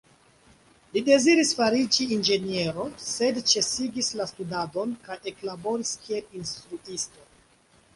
Li deziris fariĝis inĝeniero, sed ĉesigis la studadon kaj eklaboris kiel instruisto.